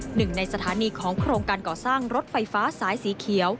หนึ่งในสถานีของโครงการก่อสร้างรถไฟฟ้าสายสีเขียว